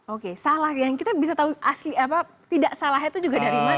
oke salah ya kita bisa tahu tidak salahnya itu juga dari mana gitu